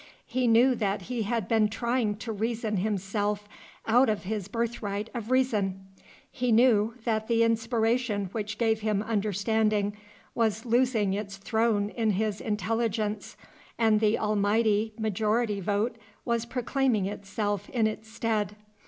He knew that he had been trying to reason himself out of his birthright of reason. He knew that the inspiration which gave him understanding was losing its throne in his intelligence, and the almighty Majority Vote was proclaiming itself in its stead.